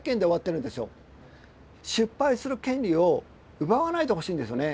失敗する権利を奪わないでほしいんですよね。